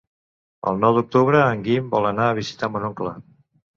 El nou d'octubre en Guim vol anar a visitar mon oncle.